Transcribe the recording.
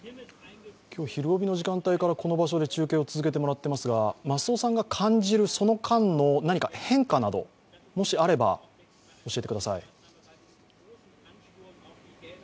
今日「ひるおび！」の時間帯からこの場所で中継で伝えてもらっていますが、増尾さんが感じるその間の何か変化などもしあれば教えてください。